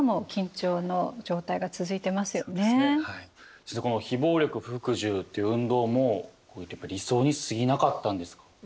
先生この非暴力・不服従っていう運動もこう言うとやっぱり理想にすぎなかったんですか？